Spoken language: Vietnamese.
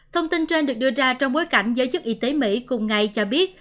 thông tin trên được đưa ra trong bối cảnh giới chức y tế mỹ cùng ngày cho biết